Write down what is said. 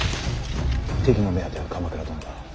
敵の目当ては鎌倉殿だ。